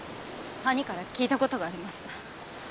兄から聞いた事があります。